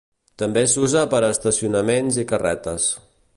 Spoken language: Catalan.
També s'usa per a estacionaments i carretes.